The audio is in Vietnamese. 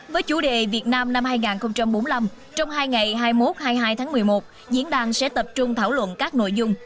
với chủ đề việt nam năm hai nghìn bốn mươi năm trong hai ngày hai mươi một hai mươi hai tháng một mươi một diễn đàn sẽ tập trung thảo luận các nội dung